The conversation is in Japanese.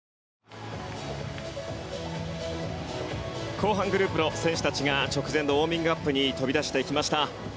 後半グループの選手たちが直前のウォーミングアップに飛び出していきました。